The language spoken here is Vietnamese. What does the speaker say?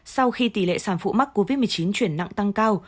sau khi tỷ lệ sản phụ mắc covid một mươi chín chuyển nặng tăng cao